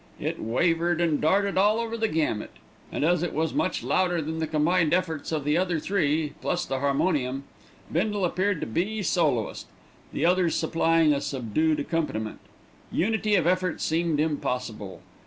It wavered and darted all over the gamut, and as it was much louder than the combined efforts of the other three, plus the harmonium, Bindle appeared to be soloist, the others supplying a subdued accompaniment. Unity of effort seemed impossible.